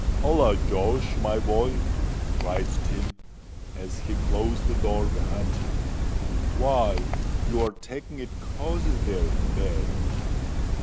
"Holloa! Josh, my boy!" cried Tim, as he closed the door behind him. "Why, you are taking it cozie there in bed."